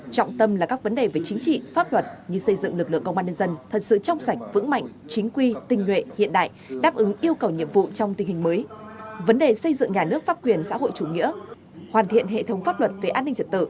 trọng tâm là các vấn đề về chính trị pháp luật như xây dựng lực lượng công an nhân dân thật sự trong sạch vững mạnh chính quy tinh nguyện hiện đại đáp ứng yêu cầu nhiệm vụ trong tình hình mới